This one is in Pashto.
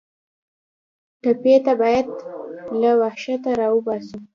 ټپي ته باید له وحشته راوباسو.